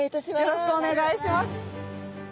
よろしくお願いします。